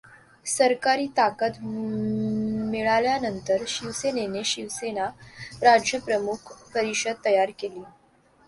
सरकारी ताकद मिळाल्यानंतर शिवसेनेने शिवसेना राज्यप्रमुख परिषद तयार केली.